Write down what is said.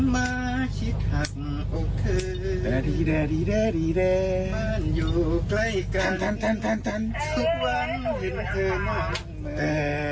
ทำโอเคมันอยู่ใกล้กันทุกวันเห็นเธอมองแม่